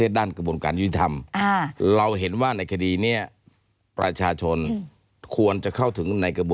สวัสดีครับ